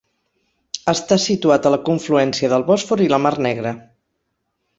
Està situat a la confluència del Bòsfor i la Mar Negra.